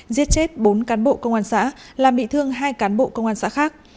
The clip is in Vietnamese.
giết chết bốn cán bộ công an xã làm bị thương hai cán bộ công an xã khác